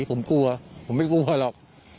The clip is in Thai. ผมกลัวผมไม่กลัวหรอก